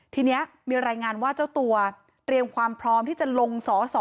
ทีนี้มีรายงานว่าเจ้าตัวเตรียมความพร้อมที่จะลงสอสอ